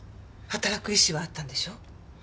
働く意思はあったんでしょ？